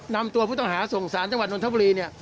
นำตัวผู้ต่อหาส่องศาลจังหวัดนนทบุรี